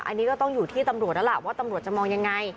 อันนี้ก็ต้องอยู่ที่ตำรวจแล้วล่ะว่าตำรวจจะมองยังไง